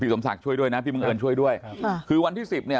สมศักดิ์ช่วยด้วยนะพี่บังเอิญช่วยด้วยคือวันที่สิบเนี่ย